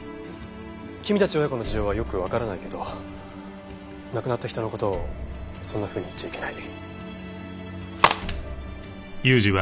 君たち親子の事情はよくわからないけど亡くなった人の事をそんなふうに言っちゃいけない。